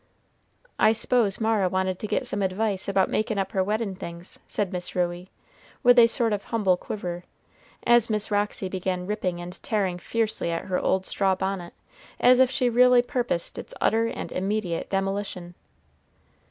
"I s'pose Mara wanted to get some advice about makin' up her weddin' things," said Miss Ruey, with a sort of humble quiver, as Miss Roxy began ripping and tearing fiercely at her old straw bonnet, as if she really purposed its utter and immediate demolition.